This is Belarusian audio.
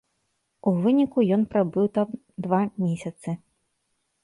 У выніку ён прабыў там два месяцы.